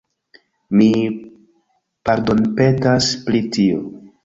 Mi pardonpetas pri tio.